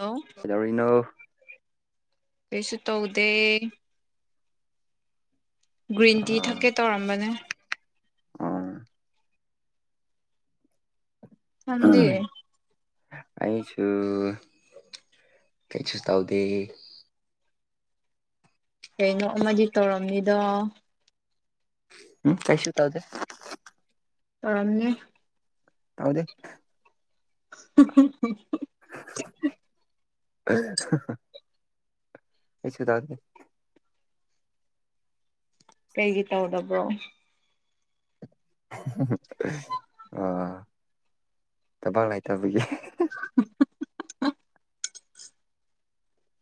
ꯍꯥꯎ ꯀꯩꯗꯧꯔꯤꯅ‌ꯣ ꯀꯩꯁꯨ ꯇꯧꯗꯦ ꯒ꯭ꯔꯤꯟ ꯇꯤ ꯑꯥ ꯊꯛꯀꯦ ꯇꯧꯔꯝꯕꯅꯦ ꯑꯥ ꯅꯪꯗꯤ ꯑꯩꯁꯨ ꯀꯩꯁꯨ ꯇꯧꯗꯦ ꯀꯩꯅꯣ ꯑꯃꯗꯤ ꯇꯧꯔꯝꯅꯤꯗꯣ ꯎꯝ ꯀꯩꯁꯨ ꯇꯧꯗꯦ ꯇꯧꯔꯝꯅꯤ ꯇꯧꯗ‌ꯦ [unintelligible] ꯑꯩꯁꯨ ꯊꯛꯅꯤ ꯀꯩꯒꯤ ꯇꯧꯗꯕ꯭ꯔꯣ ꯑ ꯊꯥꯕꯛ ꯂꯩꯇꯕꯒꯤ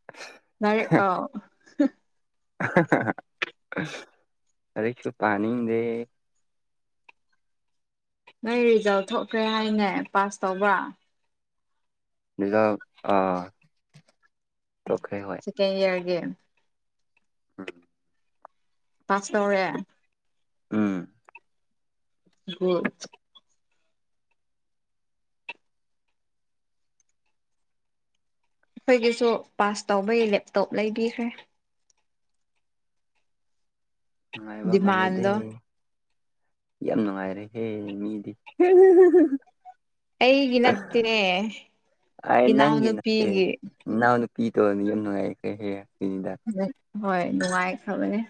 [inaudible] ꯂꯥꯏꯔꯤꯛ ꯄꯥꯎ ꯂꯥꯏꯔꯤꯛꯁꯨ ꯄꯥꯅꯤꯡꯗꯦ ꯅꯣꯏ ꯔꯤꯖꯜ ꯊꯣꯛꯈ꯭ꯔꯦ ꯍꯥꯏꯅꯦ ꯄꯥꯁ ꯇꯧꯕ꯭ꯔꯥ ꯔꯤꯖꯜ ꯑꯥ ꯇꯣꯛꯀꯔ‌ꯦ ꯍꯣꯏ ꯀꯩ ꯏꯌꯥꯔ ꯒꯤ [unintelligible] ꯄꯥꯁ ꯇꯧꯔꯦ ꯎꯝ [unintelligible] ꯑꯩꯈꯣꯏꯒꯤꯁꯨ ꯄꯥꯁ ꯇꯧꯕꯒꯤ ꯂꯦꯞꯇꯣꯞ ꯂꯩꯕꯤꯈ꯭ꯔꯦ ꯉꯅꯨꯡꯥꯏꯕ ꯃꯂꯗꯤ ꯗꯤꯃꯥꯟꯗꯣ ꯌꯥꯝ ꯅꯨꯡꯉꯥꯏꯔꯦꯍꯦ ꯃꯤꯗꯤ ꯑꯩꯒꯤ ꯅꯠꯇꯦꯅꯦ ꯏꯅꯥꯎ ꯅꯨꯄꯤꯒꯤ ꯅꯅꯥꯍꯎ ꯅꯨꯄꯤ ꯇꯣꯔꯅꯤ ꯌꯥꯝ ꯅꯨꯡꯉꯥꯏꯌꯦ ꯀꯩꯍꯦ ꯍꯥꯏ ꯀꯅꯤꯗ ꯍꯣꯏ ꯅꯨꯡꯉꯥꯏꯈ꯭ꯔꯕꯅꯦ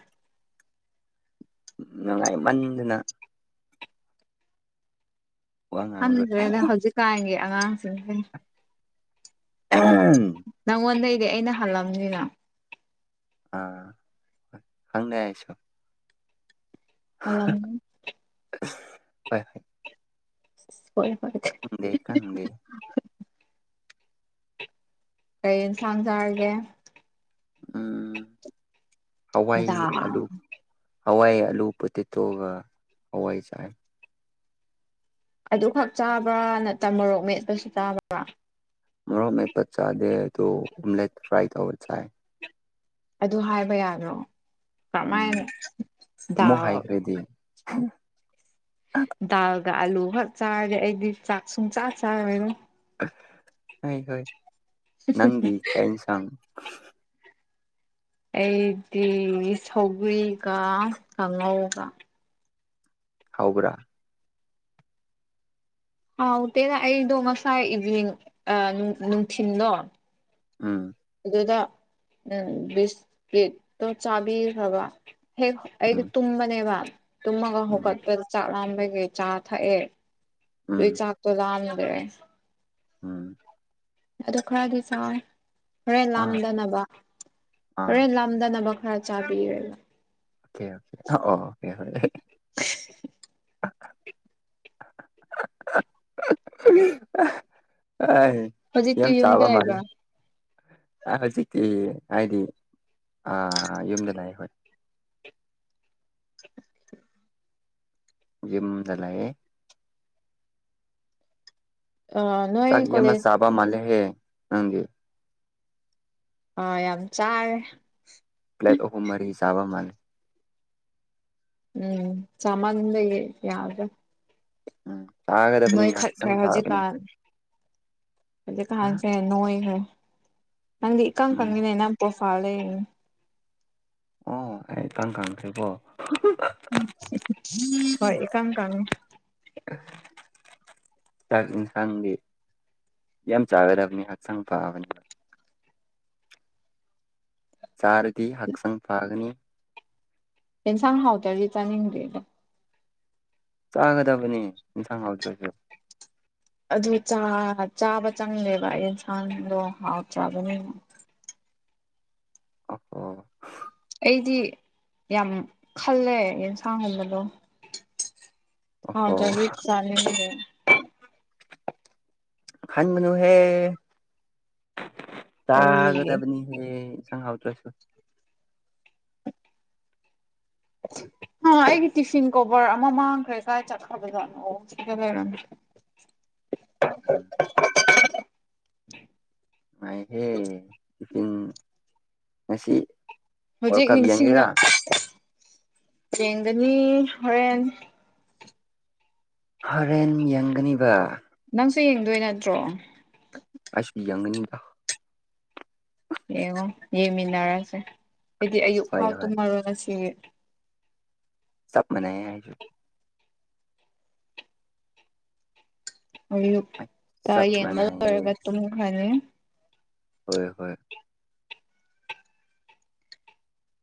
ꯅꯨꯡꯉꯥꯏꯃꯟꯗꯅ ꯋꯥ ꯉꯥꯡꯔꯣꯏ ꯍꯟꯗ꯭ꯔꯦꯅꯦ ꯍꯧꯖꯤꯛꯀꯥꯟꯒꯤ ꯑꯉꯥꯡꯁꯤꯡꯁꯦ ꯎꯝ ꯅꯪꯉꯣꯟꯗꯩꯗꯤ ꯑꯩꯅ ꯍꯜꯂꯝꯅꯤꯅ ꯑꯥ ꯍꯣꯏ ꯈꯪꯅꯦ ꯑꯩꯁꯨ [unintelligible] ꯍ ꯍꯣꯏ ꯈꯪꯗꯦ ꯈꯪꯗꯦ [unintelligible] ꯀꯩꯟꯁꯥꯡꯖꯔꯒꯦ ꯎꯝ ꯍꯋꯥꯏ ꯗꯥꯜ ꯑꯗꯨ ꯍꯋꯥꯏ ꯑꯂꯨ ꯄ ꯇꯦꯠꯇꯣꯛꯑꯒ ꯍꯋꯥꯏ ꯆꯥꯏ ꯑꯗꯨ ꯈꯛ ꯆꯥꯕ꯭ꯔꯥ ꯅꯠꯇ꯭ꯔ ꯃꯣꯔꯣꯛ ꯃꯦꯠꯄꯁꯨ ꯆꯥꯕ꯭ꯔꯥ ꯃꯔꯣ ꯃ ꯄ ꯆꯥꯗꯦ ꯇ ꯑꯣꯂꯦꯠ ꯐ꯭ꯔꯥꯏ ꯇꯧꯧꯕ ꯆꯥꯏ ꯑꯗꯨ ꯍꯥꯏꯕ ꯌꯥꯅꯣ ꯎꯝ ꯀꯃꯥꯏꯅ ꯑꯃꯨꯛ ꯗꯥ ꯍꯥꯏꯈ꯭ꯔꯗꯤ ꯗꯥꯜꯒ ꯑꯂꯨ ꯈꯔ ꯆꯥꯔꯦ ꯑꯩꯗꯤ ꯆꯥꯛ ꯁꯨꯡ ꯆꯥ ꯆꯥꯔꯦꯅ ꯍꯣꯏ ꯍꯣꯏ ꯅꯪꯗꯤ ꯀꯩꯌꯦꯟꯁꯥꯡ ꯑꯩꯗꯤ ꯁꯧꯒꯔꯤꯒ ꯀꯥꯡꯉꯧꯒ ꯍꯥꯎꯕ꯭ꯔꯥ ꯍꯥꯎꯥꯎꯇꯦꯅ ꯑꯩꯗꯣ ꯉꯁꯥꯏ ꯏꯚ ꯑ ꯅꯨꯡꯊꯤꯤꯟꯗꯣ ꯑꯝ ꯑꯗꯨꯗ ꯎꯝ ꯕꯤꯁꯀꯦꯠꯇꯣ ꯆꯥꯕꯤꯈ꯭ꯔꯕ ꯍꯦꯛ ꯑꯩꯗꯤ ꯎꯝ ꯇꯨꯝꯕꯅꯦꯕ ꯇꯨꯝꯃꯒ ꯎꯝ ꯍꯒꯕ ꯆꯥꯛꯝꯕꯒꯤ ꯆꯥ ꯊꯌꯦ ꯎꯝ ꯇꯨꯏ ꯆꯥꯛꯇ ꯂꯥꯅꯤꯗꯦ ꯎꯝ ꯑꯗꯨ ꯈꯔꯗꯤ ꯆꯥꯎ ꯈꯔꯦꯟ ꯑꯥ ꯂꯥꯝꯗꯅꯕ ꯑꯥ ꯍꯣꯔꯦꯟ ꯂꯝꯗꯅꯕ ꯈꯔ ꯆꯥꯕꯤꯔꯦ ꯑꯣꯀꯦ ꯑꯣꯀꯦ ꯑꯣ ꯍꯣꯏ ꯑ ꯍꯧꯖꯤꯛꯇꯤ ꯌꯥꯝ ꯌꯨꯝꯗ ꯆꯥꯕ ꯂꯩꯕ꯭ꯔꯥ ꯃꯥꯂ ꯍꯧꯖꯤꯛꯇꯤ ꯍꯥꯏꯗꯤ ꯌꯨꯝꯗ ꯂꯩꯑꯦ ꯍꯣꯏ ꯌꯨꯝꯗ ꯂꯩꯌꯦ ꯑ ꯆꯥꯛꯇꯤ ꯑꯥꯃ ꯁꯥꯕ ꯃꯥꯂꯦ ꯍꯦ ꯅꯪꯗꯤ ꯑꯥ ꯌꯥꯝ ꯆꯥꯔꯦ ꯄ꯭ꯂꯦꯁ ꯑꯍꯨꯝ ꯃꯔꯤ ꯆꯥꯕ ꯃꯥꯜꯂꯦ ꯎꯝ ꯆꯗ ꯌꯥꯎꯗ꯭ꯔ ꯎꯝ ꯊꯥꯒꯗꯕꯅꯤ ꯅꯣꯏꯈꯠꯈ꯭ꯔꯦ ꯍꯛꯆꯥꯡ ꯐꯥꯕꯅꯤ ꯍꯧꯖꯤꯛ ꯀ ꯍꯥꯟꯁꯦ ꯅꯣꯏꯈꯦ ꯅꯪꯗꯤ ꯏꯀꯪ ꯎꯝ ꯀꯪꯉꯤꯅꯦ ꯅꯪ ꯄ꯭ꯔꯣꯐꯥꯜ ꯂꯩ ꯑꯣ ꯑꯩ ꯏꯇꯪ ꯈꯪꯗ꯭ꯦꯀꯣ ꯍꯣꯏ ꯀꯝ ꯀꯝ ꯑ ꯆꯥꯛ ꯌꯦꯟꯁꯥꯡꯗꯤ ꯌꯥꯝ ꯆꯥꯒꯗꯕꯅꯤ ꯍꯛꯆꯥꯡ ꯐꯥꯕꯅꯤ ꯆꯔꯗꯤ ꯍꯥꯛ ꯁꯥꯡ ꯐꯒꯅꯤ ꯇ ꯁꯥꯡꯅ ꯍꯥꯎꯋꯥꯔꯗꯤ ꯆꯅꯤꯡꯒ ꯆꯥꯒꯗꯕꯅꯤ ꯏꯟꯁꯥꯡ ꯍꯥꯎꯗ꯭ꯔꯁꯨ ꯑꯗꯨ ꯆꯥ ꯆꯥꯕ ꯆꯪꯗꯦꯕ ꯌꯦꯟꯁꯥꯡꯗꯣ ꯍꯥꯎꯇ꯭ꯔꯕꯅꯤꯅ ꯑꯣ ꯑꫭ ꯑꯩꯗꯤ ꯌꯥꯝ ꯈꯜꯂꯦ ꯌꯦꯟꯁꯥꯡꯒꯨꯝꯕꯗꯣ ꯑꯣꯍꯣ ꯍꯥꯎꯇ꯭ꯔꯗꯤ ꯆꯥꯅꯤꯡꯗꯦ ꯈꯟꯒꯅꯨꯍꯦ ꯀꯔꯤꯒꯤ ꯆꯥꯒꯗꯕꯅꯤ ꯌꯦ ꯏꯤꯟꯁꯥꯡ ꯍꯥꯎꯇꯔꯁꯨ ꯑꯩꯒꯤ ꯇꯤꯐꯤꯟ ꯀꯣꯕꯔ ꯑꯃ ꯃꯥꯡꯈ꯭ꯔꯦ ꯀꯥꯏ ꯆꯠꯈ꯭ꯔꯕ ꯖꯥꯠꯅꫭ ꯁꯤꯗ ꯂꯩꯔꯝꯃꯦ ꯃꯥꯏ ꯍꯦ ꯇꯤꯐꯤꯟ ꯉꯁꯤ ꯋꯥꯔꯜ ꯍꯧꯖꯤꯛ ꯀꯞ ꯅꯤꯡꯁꯤꯡꯉꯥ ꯌꯦꯡꯒꯦꯔꯥ ꯆꯦꯡꯒꯅꯤ ꯍꯣꯔꯦꯟ ꯍꫭꯔꯦꯟ ꯌꯦꯡꯒꯅꯤꯕ ꯅꯪꯁꯨ ꯌꯦꯡꯗꯣꯏ ꯅꯠꯇ꯭ꯔꯣ ꯑꯩꯁꯨ ꯌꯦꯡꯅꯤꯡꯉꯤꯗ ꯌꯦꯡꯉꯣ ꯌꯦꯡꯃꯤꯟꯅꯔꯁꯦ ꯑꯩꯗꯤ ꯑꯌꯨꯛ ꯍꯣꯏ ꯐꯥꯎ ꯍꯣꯏ ꯇꯨꯝꯃꯔꯣ ꯉꯁꯤꯒꯤ ꯆꯞ ꯃꯅꯩꯌꯦ ꯑꯩꯁꯨ ꯑꯌꯨꯛ ꯇ ꯆꯞ ꯌꯦꯡꯕ ꯃꯥꯟꯅꯩꯌꯦ ꯂꯣꯏꯔꯒ ꯇꯨꯝꯈꯔꯅꯤ ꯍꯣꯏ ꯍꯣꯏ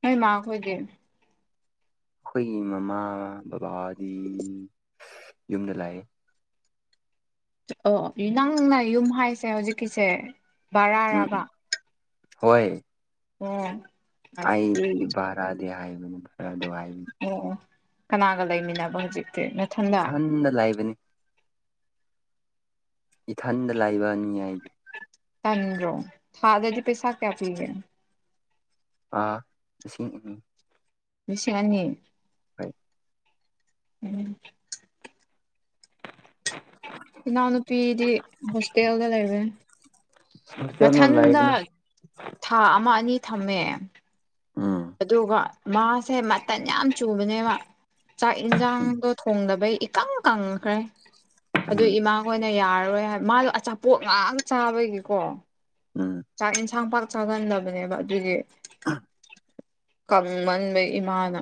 ꯅꫭꯏ ꯃꯥ ꯈꯣꯏꯗꯤ ꯑꯩꯈꯣꯏꯒꯤ ꯃꯃꯥ ꯕꯕꯥꯗꯤ ꯌꯨꯝꯗ ꯂꯩꯌꯦ ꯑꯣ ꯅꯪꯅ ꯌꯨꯝ ꯍꯥꯏꯁꯦ ꯍꯧꯖꯤꯛꯀꯤꯁꯦ ꯎꯝ ꯕꯔꯥꯔꯕ ꯍꯣꯏ ꯑꯣ ꯑꯁꯤ ꯑꯩꯒꯤ ꯕ꯭ꯔꯥꯗꯤ ꯍꯥꯏꯕꯅꯤ ꯕꯔꯥ꯭ꯗꫭ ꯍꯥꯏ ꯑꯣ ꯑꯣ ꯀꯅꯥꯒ ꯂꯩꯃꯤꯟꯅꯕ ꯍꯧꯖꯤꯛ [unintelligible] ꯅꯊꯟꯇ ꯊꯟꯗ ꯂꯩꯕꯅꯤ ꯏꯊꯟꯗ ꯂꯩꯕꯅꯤ ꯑꯩꯗꯤ ꯇꯥꯟꯗꯔꯣ ꯊꯥꯗꯗꯤ ꯄꯩꯁꯥ ꯀꯌꯥ ꯄꯤꯒ ꯑꯥ ꯂꯤꯁꯤꯡ ꯑꯅꯤ ꯂꯤꯁꯤꯡ ꯑꯅꯤ ꯍꯣꯏ ꯎꯝ ꯏꯅꯥꯎꯅꯨꯄꯤꯗꯤ ꯍꯣꯁꯇꯦꯜꯗ ꯂꯩꯕꯅꯤ ꯍꯣꯁꯇꯦꯜꯅ ꯃꯊꯟꯗ ꯂꯩꯕꯅ ꯊꯥ ꯑꯃ ꯑꯅꯤ ꯊꯝꯃꯦ ꯎꯝ ꯑꯗꯨꯒ ꯃꯥꯁꯦ ꯃꯇꯟ ꯌꯥꯝ ꯆꯨꯕꯅꯦꯕ ꯆꯥꯛ ꯌꯦꯟꯁꯥꯡꯗꯣ ꯊꯣꯡꯗꯥꯕꯩ ꯏꯀꯪ ꯀꯪꯈ꯭ꯔꯦ ꯑꯗꯨꯏ ꯎꯝ ꯏꯃꯥ ꯑꯩꯈꯣꯏꯅ ꯌꯥꯔꯔꯣꯏ ꯍꯥꯏ ꯃꯥꯗꫭ ꯑꯆꯥꯄꯣꯠ ꯉꯥꯛ ꯆꯥꯕꯒꯤꯀꯣ ꯎꯝ ꯆꯥꯛ ꯌꯦꯟꯁꯥꯡ ꯄꯥꯛ ꯆꯥꯒꯟꯗꯕꯅꯦꯕ ꯑꯗꯨꯒꯤ ꯑꯥ ꯀꯪꯃꯟꯕꯩ ꯏꯃꯥꯅ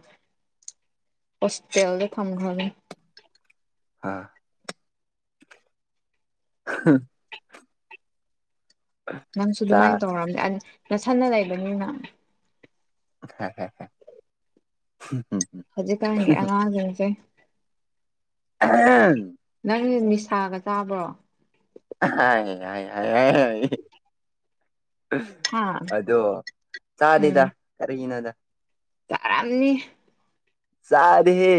ꯍꯣꯁꯇꯦꯜꯗ ꯊꯝꯈ꯭ꯔꯕꯅꯤ ꯑꯥ ꯍꯥꯥ ꯅꯪꯁꯨ ꯆꯥ ꯑꯗꯨꯃꯥꯏꯅ ꯇꯧꯔꯝꯗ ꯅꯊꯥꯟꯅ ꯂꯩꯕꯅꯤꯅ [unintelligible] ꯍꯧꯖꯤꯛ ꯀꯥꯟꯒꯤ ꯑꯉꯥꯡ ꯁꯤꯡꯁꯦ [unintelligible] ꯅꯪ ꯅꯤꯁꯥꯒ ꯆꯥꯕ꯭ꯔꯣ ꯍꯥꯏ ꯍꯥꯏ ꯍꯥꯏ ꯍꯥꯏ ꯍꯥ ꯑꯗꯣ ꯎꯝ ꯆꯥꯗꯦꯗ ꯀꯔꯤꯅꯣꯗ ꯆꯥꯔꯝꯅꯤ ꯆꯥꯔ‌ꯦ ꯍꯦ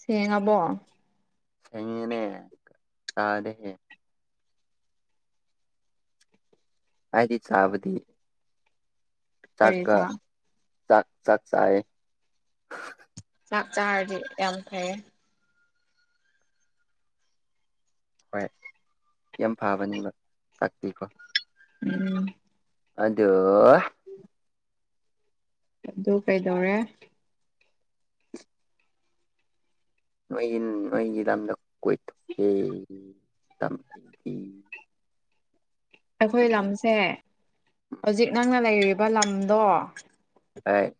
ꯁꯦꯡꯉꯕꯣ ꯁꯦꯉ‌ꯦꯅꯦ ꯆꯥꯔꯦ ꯍꯥꯏꯗꯤ ꯆꯥꯕꯗꯤ ꯀꯔꯤ ꯆꯥꯛꯒ ꯆꯥꯛ ꯆꯥꯛ ꯆꯥꯛ ꯆꯥꯏ ꯆꯥꯛ ꯆꯥꯔꯗꯤ ꯌꯥꯝ ꯐꯩꯌꯦ ꯍꯣꯏ ꯌꯥꯝ ꯐꯕꯅꯤꯕ ꯇꯥꯛꯄꯤꯀꯣ ꯎꯝ ꯑꯗ‌ꯣ ꯑꯗꯨ ꯀꯩꯗꯧꯔꯦ ꯅꯣꯏꯒꯤ ꯅꯣꯏꯒꯤ ꯂꯝꯗ ꯀꯣꯏꯊꯣꯛꯀꯦꯗꯤ ꯑꯩꯈꯣꯏ ꯉꯝꯃꯔꯣꯏ ꯂꯝꯁꯦ ꯍꯧꯖꯤꯛ ꯅꯪꯅ ꯂꯩꯔꯤꯕ ꯂꯝꯗꯣ ꯑꯩ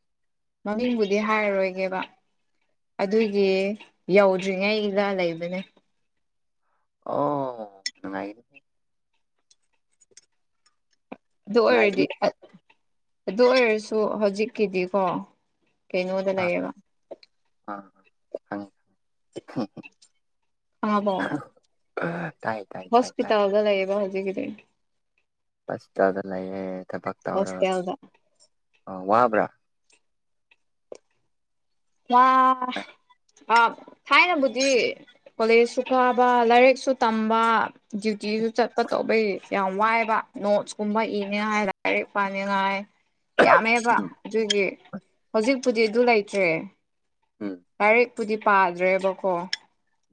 ꯃꯃꯤꯡꯕꯨꯗꯤ ꯍꯥꯏꯔꯔꯣꯏꯒꯦꯕ ꯑꯗꯨꯒꯤ ꯌꯧꯗ꯭ꯔꯤꯉꯩꯒꯤꯗ ꯂꯩꯕꯅꯦ ꯑꯣ ꯑꯗꯨ ꯑꯣꯏꯔꯗꯤ ꯅꯨꯡꯉꯥꯏꯒꯅꯤ ꯑꯗꯨ ꯑꯣꯏꯔꯁꯨ ꯍꯧꯖꯤꯛꯀꯤꯗꯤꯀꯣ ꯀꯩꯩꯅ‌ꯣꯗ ꯑꯥ ꯂꯩꯌ‌ꯦꯕ ꯑꯥ ꯈꯪꯉ‌ꯦ ꯈꯪꯉꯕꯣ ꯇꯥꯏ ꯇꯥꯏ ꯇꯥꯏ ꯇꯥꯏ ꯂꯩꯌ‌ꯦꯕ ꯍꯧꯖꯤꯛ ꯀꯤꯗꯤ ꯍꯁꯄꯤꯇꯥꯜꯗ ꯂꯩꯌꯦ ꯊꯕꯛ ꯇꯧꯔꯒ ꯍꯣꯁꯇꯦꯜꯗ ꯑꯣ ꯋꯥꯕ꯭ꯔꯥ ꯃꯥ ꯑ ꯊꯥꯏꯅꯕꯨꯗꯤ ꯀꯣꯂꯦꯖꯁꯨ ꯀꯥꯕ ꯂꯥꯏꯔꯤꯛꯁꯨ ꯇꯝꯕ ꯗꯌꯨꯇꯤꯁꯨ ꯆꯠꯄ ꯇꯧꯕꯩ ꯌꯥꯝ ꯋꯥꯏꯕ ꯅꯣꯠꯁ ꯀꯨꯝꯕ ꯏꯅꯤꯡꯉꯥꯏ ꯂꯥꯏꯔꯤꯛ ꯄꯥꯅꯤꯡꯉꯥꯏ ꯌꯥꯝꯃꯦꯕ ꯎꯝ ꯑꯗꯨꯒꯤ ꯍꯧꯖꯤꯛꯄꯨꯗꯤ ꯑꯗꯨ ꯂꯩꯇ꯭ꯔꯦ ꯎꯝ ꯂꯥꯏꯔꯤꯛꯄꯨꯗꯤ ꯄꯥꯗ꯭ꯔꯦꯕꯀꯣ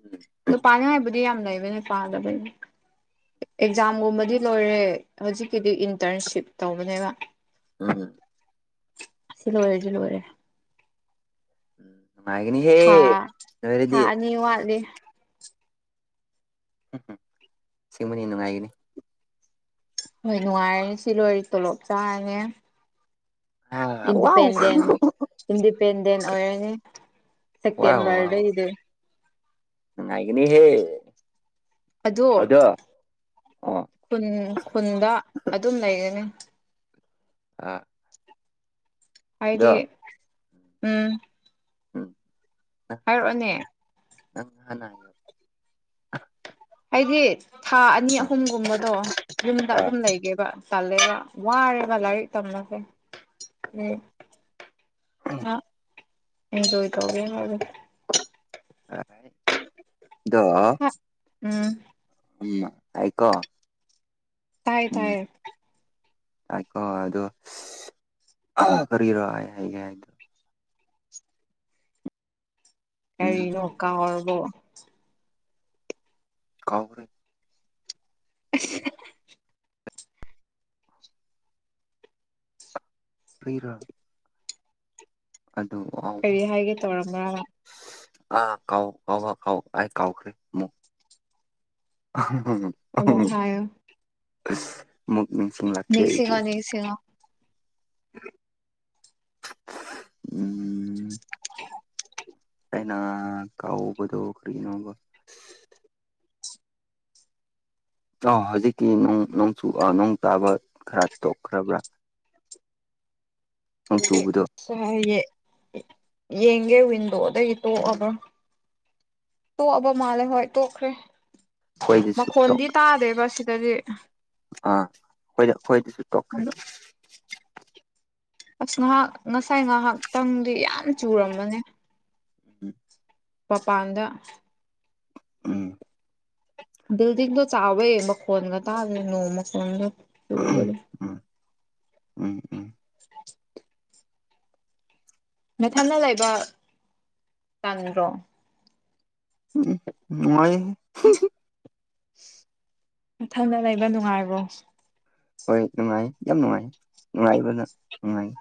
ꯎꯝ ꯑꯣ ꯄꯥꯅꯤꯡꯉꯥꯏꯕꯨꯗꯤ ꯌꯥꯝ ꯂꯩꯕꯅꯦ ꯄꯥꯗꯕꯩꯩꯅ ꯑꯦꯛꯖꯥꯝꯒꯨꯝꯕꯗꯤ ꯂꯣꯏꯔꯦ ꯍꯧꯖꯤꯛꯀꯤꯗꯤ ꯏꯟꯇꯔꯟꯁꯤꯞ ꯇꯧꯕꯅꯦꯕ ꯎꯝ ꯁꯤꯂ‌ꯣꯏꯔꯗꯤ ꯂ‌ꯣꯏꯔꯦ ꯉꯥꯏꯒꯅꯤ ꯍꯦ ꯊꯥ ꯊꯥ ꯑꯗꯨꯗꯤ ꯑꯅꯤ ꯋꯥꯠꯂꯤ ꯎꯝ ꯁ‌ꯦꯡꯕꯅꯤ ꯅꯨꯡꯉꯥꯏꯒꯅꯤ ꯍꯣꯏ ꯅꯨꯡꯉꯥꯏꯔꯅꯤ ꯁꯤ ꯂꯣꯏꯔꯤ ꯇꯣꯂꯣꯞ ꯆꯥꯔꯅꯤ ꯋꯥꯎ ꯏꯟꯗꯤꯄꯦꯟꯗꯦꯟ ꯏꯟꯗꯤꯄꯦꯟꯗꯦꯟ ꯑꯣꯏꯔꯅꯤ ꯁꯦꯞꯇꯦꯝꯕꯔꯗꯩꯗꯤ ꯅꯨꯡꯉꯥꯏꯒꯅꯤ ꯍꯦ ꯑꯗꯨ ꯑꯗꯣ ꯑꯣ ꯈꯨꯟ ꯈꯨꯟꯗ ꯑꯗꯨꯝ ꯂꯩꯒꯅꯤ ꯑꯥ ꯍꯥꯏꯗꯤ ꯎꯝ ꯎꯝ ꯍꯥꯏꯔꯛꯑꯣꯅꯦ꯫ ꯅꯪꯪ ꯍꯥꯟꯅ ꯑꯩꯗꯤ ꯊꯥ ꯑꯅꯤ ꯑꯍꯨꯝꯒꯨꯝꯕꯗꯣ ꯌꯨꯝꯗ ꯑꯥ ꯑꯗꯨꯝ ꯂꯩꯒꯦꯕ꯫ ꯇꯜꯂꯦꯕ ꯋꯥꯔꯦꯕ ꯂꯥꯏꯔꯤꯛ ꯇꯝꯕꯁ‌ꯦ ꯎꯝ ꯍꯣꯏ ꯏꯟꯖꯣꯏ ꯇꯧꯒ‌ꯦ ꯗ‌ꯣ ꯑꯁ ꯎꯝ ꯑꯝ ꯑꯩꯀꯣ ꯇꯥꯏ ꯇꯥꯏꯌꯦ꯫ ꯇꯥꯏꯀꯣ ꯑꯗꯣ ꯑ ꯀꯔꯤꯔꯥ ꯑꯩ ꯍꯥꯏꯒꯦ ꯍꯥꯏꯗꯣ꯫ ꯎꯝ ꯀꯩꯅꯣ ꯀꯥꯎꯔꯕꯣ꯫ ꯀꯥꯎꯔ ꯑꯁ [unintelligible] ꯀꯩꯔꯥ ꯑꯗꯨ [unintelligible] ꯀꯔꯤ ꯍꯥꯏꯒꯦ ꯇꯧꯔꯝꯕ꯭ꯔꯕ ꯑꯥ ꯀꯥꯎ ꯀꯥꯎ ꯀꯥꯎ ꯑꯩ ꯀꯥꯎꯈꯔꯦ ꯑꯃꯨꯛ꯫ [unintelligible] [unintelligible] ꯍꯥꯏꯌꯣ꯫ [unintelligible] ꯑꯃꯨꯛ ꯅꯤꯡꯁꯤꯡꯂꯦ꯫ ꯅꯤꯡꯁꯤꯡꯉꯣ ꯅꯤꯡꯁꯤꯡꯉꯣ꯫ [unintelligible] ꯎꯝ [unintelligible] ꯑꯩꯅ ꯀꯧꯕꯗꯣ ꯀꯔꯤꯅꯣꯕ [unintelligible] ꯍꯧꯖꯤꯛꯇꯤ ꯅꯣꯡ ꯆꯨꯕ ꯅꯣꯡ ꯇꯥꯕ ꯈꯔ ꯇꯣꯛꯈ꯭ꯔꯕ꯭ꯔꯥ꯫ ꯅꯣꯡ ꯆꯨꯕꯗꯣ [unintelligible] ꯌꯦꯡꯒꯦ ꯋꯤꯟꯗꯣꯗꯒꯤ ꯇꯣꯛꯑꯒ꯫ ꯇꯣꯛꯑꯕ ꯃꯥꯜꯂꯦ ꯍꯣꯏ ꯇꯣꯛꯈ꯭ꯔꯦ ꯑꯩꯈꯣꯏꯗꯁꯨ ꯇꯣꯛ ꯃꯈꯣꯟꯗꯤ ꯇꯥꯗꯦꯕ ꯁꯤꯗꯗꯤ꯫ ꯑꯥ ꯑꯩꯈꯣꯢ ꯑꯩꯈꯣꯏꯗꯩꯁꯨ ꯇꯣꯛꯈ꯭ꯔꯦ꯫ ꯑꯁ ꯉꯥꯏꯍꯥꯛ ꯉꯁꯥꯏ ꯉꯥꯏꯍꯥꯛꯇꯪꯗꯤ ꯌꯥꯝꯅ ꯆꯨꯔꯝꯕꯅꯤ [unintelligible] [unintelligible] ꯎꯝ꯫ ꯕꯤꯜꯗꯤꯡꯗꯣ ꯆꯥꯎꯋꯦ ꯃꯈꯣꯟꯒ ꯇꯥꯗꯦ ꯅꯣꯡ ꯃꯈꯣꯟꯒ ꯆꯨꯕꯗꯣ [unintelligible] ꯎꯝ ꯎꯝ [inaudible] ꯅꯊꯟꯅꯇ ꯂꯩꯕꯥ ꯇꯟꯗ꯭ꯔꯣ꯫ ꯎꯝ ꯅꯉꯥꯏꯍꯦ [unintelligible] ꯅꯊꯟꯗ ꯂꯩꯕ ꯅꯨꯡꯉꯥꯏꯕ꯭ꯔꯣ꯫ ꯍꯣꯏ ꯅꯨꯡꯉꯥꯏ ꯌꯥꯝ ꯅꯨꯡꯉꯥꯏꯌꯦ ꯅꯨꯡꯉꯥꯏꯕꯅ [unintelligible]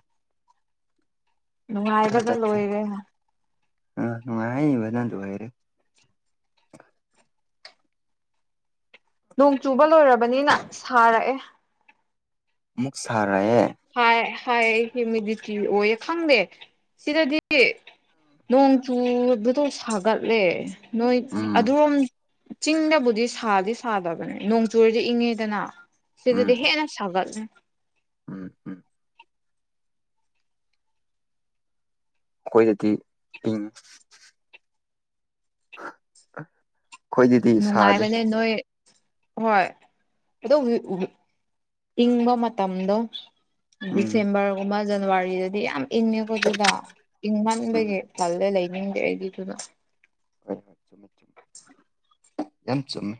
ꯅꯨꯡꯉꯥꯏꯕꯗ ꯂꯣꯏꯔꯦ [unintelligible] ꯑ ꯅꯨꯡꯉꯥꯏꯃꯟꯕꯅ ꯂꯣꯏꯔꯦ꯫ ꯅꯣꯡ ꯆꯨꯕ ꯂꯣꯏꯔꯕꯅꯤꯅ ꯁꯥꯔꯛꯑꯦ꯫ ꯑꯃꯨꯛ ꯁꯥꯔꯛꯑꯦ꯫ ꯍꯥꯏ ꯍꯥꯏ ꯍ꯭ꯌꯨꯃꯤꯗꯤꯇꯤ ꯑꯣꯏꯌꯦ ꯈꯪꯗꯦ ꯁꯤꯗꯗꯤ ꯅꯣꯡ ꯆꯨꯕꯗꯣ ꯁꯥꯒꯠꯂꯦ ꯅꯣꯏ ꯎꯝ ꯑꯗꯣꯝ ꯆꯤꯡꯗꯕꯨꯗꯤ ꯁꯥꯗꯤ ꯁꯥꯗꯕꯅꯦ ꯅꯣꯡ ꯆꯨꯔꯗꯤ ꯏꯪꯉꯤꯗꯅ ꯎꯝ ꯁꯤꯗꯗꯤ ꯍꯦꯟꯅ ꯁꯥꯒꯠꯂꯦ꯫ ꯎꯝ ꯎꯝ꯫ ꯑꯩꯈꯣꯏꯒꯤꯗꯤ ꯏꯪꯉꯤ꯫ ꯑꯩꯈꯣꯏꯗꯗꯤ ꯁꯥꯗꯦ ꯅꯨꯡꯉꯥꯏꯕꯅꯦ ꯅꯣꯏ ꯍꯣꯏ [unintelligible] ꯏꯒꯣ ꯃ ꯇꯝꯗꯣ ꯎꯝ ꯗꯤꯁꯦꯝꯕꯔꯒꯨꯝꯕ ꯖꯅꯋꯥꯔꯤꯗꯗꯤ ꯌꯥꯝ ꯏꯪꯉꯦꯀꯣ ꯑꯗꯨꯗ ꯎꯝ ꯏꯪꯃꯟꯕꯒꯤ ꯈꯜꯂ ꯂꯩꯅꯤꯡꯗꯦ ꯑꯩꯒꯤꯗꯨꯅ ꯍꯣꯏ ꯍꯣꯏ ꯆꯨꯝꯃꯦ ꯆꯨꯝꯃꯦ ꯌꯥꯝ ꯆꯨꯝꯃꯦ